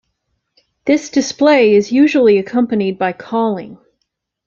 This display is usually accompanied by calling.